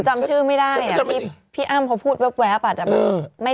จำชื่อไม่ได้อ่ะพี่พี่อ้ำเพราะพูดแว๊บแว๊บอ่ะอืมไม่